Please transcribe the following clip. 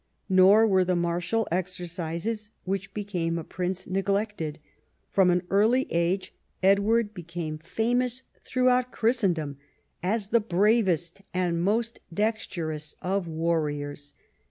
Nor were the martial exercises which became a prince neglected. From an early age EdAvard became famous throughout Christendom as the bravest and most dexterous of warriors.